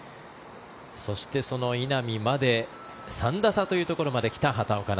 そして、その稲見まで３打差というところまで来た畑岡奈